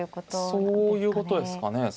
そういうことですかね。